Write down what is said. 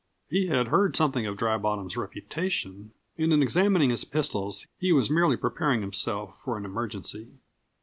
He had heard something of Dry Bottom's reputation and in examining his pistols he was merely preparing himself for an emergency.